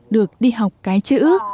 được đi học cái chữ